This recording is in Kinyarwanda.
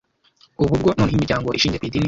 ubu bwo noneho imiryango ishingiye ku Idini